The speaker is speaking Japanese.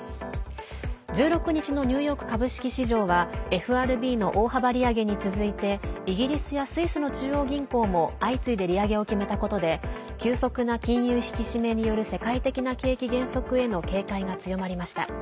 １６日のニューヨーク株式市場はＦＲＢの大幅利上げに続いてイギリスやスイスの中央銀行も相次いで利上げを決めたことで急速な金融引き締めによる世界的な景気減速への警戒が強まりました。